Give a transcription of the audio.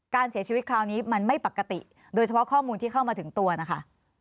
การเสียชีวิตคราวนี้มันไม่ปกติโดยเฉพาะข้อมูลที่เข้ามาถึงตัวนะคะ